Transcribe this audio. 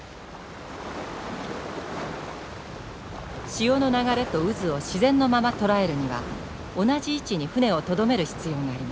潮の流れと渦を自然のまま捉えるには同じ位置に船をとどめる必要があります。